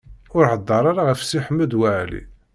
Ur heddeṛ ara ɣef Si Ḥmed Waɛli.